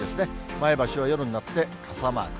前橋は夜になって傘マーク。